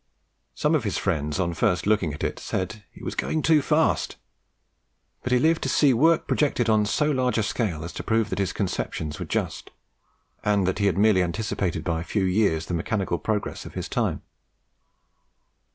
Some of his friends, on first looking at it, said he was going "too fast;" but he lived to see work projected on so large a scale as to prove that his conceptions were just, and that he had merely anticipated by a few years the mechanical progress of his time.